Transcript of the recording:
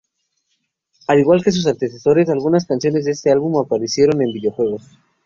Al igual que sus antecesores, algunas canciones de este álbum aparecieron en videojuegos.